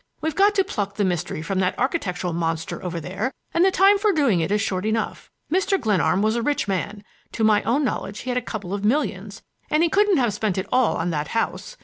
We've got to pluck the mystery from that architectural monster over there, and the time for doing it is short enough. Mr. Glenarm was a rich man. To my own knowledge he had a couple of millions, and he couldn't have spent it all on that house.